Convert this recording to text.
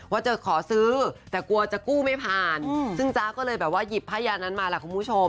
ว่าจะขอซื้อแต่กลัวจะกู้ไม่ผ่านซึ่งจ๊ะก็เลยแบบว่าหยิบผ้ายานั้นมาล่ะคุณผู้ชม